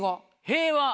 「平和」。